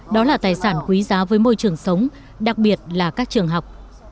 đó là tài sản quý giá với môi trường sống đặc biệt là các trường học